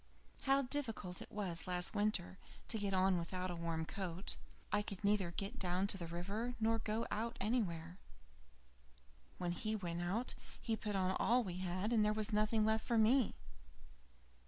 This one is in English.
How difficult it was last winter to get on without a warm coat. I could neither get down to the river, nor go out anywhere. When he went out he put on all we had, and there was nothing left for me.